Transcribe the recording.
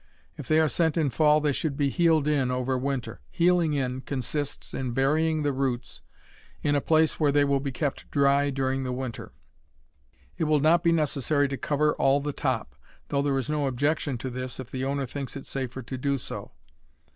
If they are sent in fall they should be "heeled in" over winter. "Heeling in" consists in burying the roots in a place where they will be kept dry during the winter. It will not be necessary to cover all the top, though there is no objection to this if the owner thinks it safer to do so.